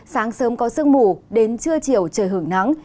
sáng sớm có sương mù đến trưa chiều trời hưởng nắng